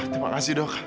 terima kasih dok